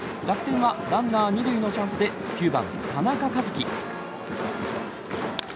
楽天はランナー２塁のチャンスで９番、田中和基。